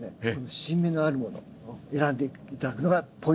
新芽のあるものを選んで頂くのがポイントになります。